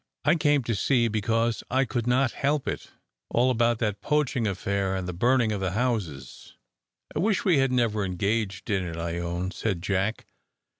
"I came to sea because I could not help it: all about that poaching affair, and the burning of the houses." "I wish we had never engaged in it, I own," said Jack.